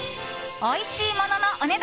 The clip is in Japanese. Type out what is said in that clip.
おいしいもののお値段